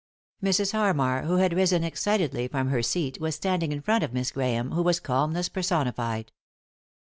Mrs, Harmar, who had risen excitedly from her seat, was standing in front of Miss Grahame, who was calmness personified.